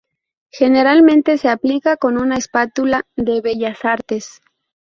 Generalmente se aplica con una espátula de bellas artes.